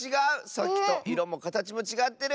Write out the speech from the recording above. さっきといろもかたちもちがってる！